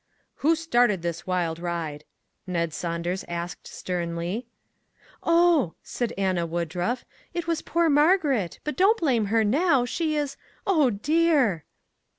"Who started this wild ride?" Ned Saun ders asked sternly. " Oh," said Anna Woodruff, " it was poor Margaret; but don't blame her now. She is oh, dear!"